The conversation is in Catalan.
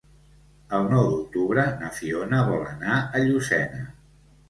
El nou d'octubre na Fiona vol anar a Llucena.